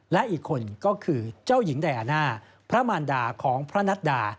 และอีกคนก็คือเจ้าหญิงไดอาน่าพระมารดาของพระนัดดา